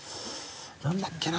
何だっけな？